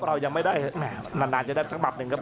เรายังไม่ได้อนานจะกดสระบับหนึ่งครับ